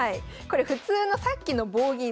これ普通のさっきの棒銀